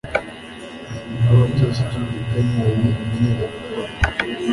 yanga ibikorwa byose by'uburiganya yari amenyereye gukora.